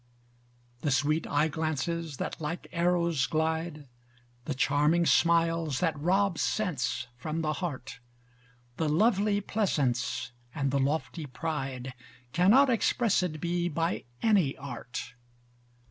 The sweet eye glances, that like arrows glide, The charming smiles, that rob sense from the heart: The lovely pleasance and the lofty pride, Cannot expressed be by any art.